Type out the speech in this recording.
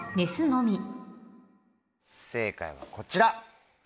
正解はこちら。